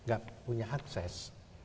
gak punya akses